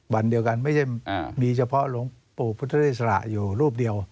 วันเดียวกันไม่ใช่มีเฉพาะหลวงปู่พุทธอิสระอยู่รูปเดียว